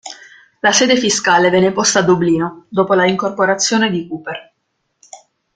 La sede fiscale venne posta a Dublino dopo la incorporazione di Cooper.